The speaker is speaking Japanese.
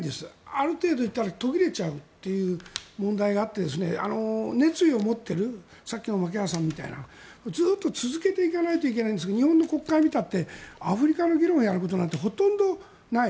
ある程度いったら途切れちゃうという問題があって熱意を持っているさっきの牧浦さんみたいにずっと続けていかないといけないんですけど日本の国会だってアフリカの議論をやることなんてほとんどない。